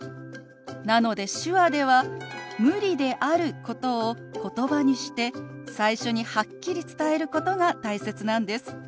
なので手話では「無理」であることを言葉にして最初にはっきり伝えることが大切なんです。